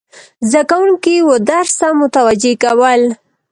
زده کوونکي و درس ته متوجه کول،